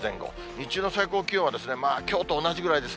日中の最高気温はきょうと同じぐらいです。